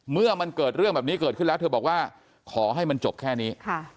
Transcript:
เมื่อมันเกิดเรื่องแบบนี้เกิดขึ้นแล้วเธอบอกว่าขอให้มันจบแค่นี้